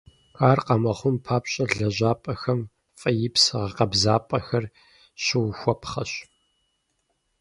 Ар къэмыхъун папщӏэ, лэжьапӏэхэм фӏеипс гъэкъэбзапӏэхэр щыухуапхъэщ.